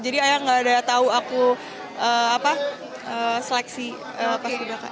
jadi ayah gak ada tahu aku seleksi paski beraka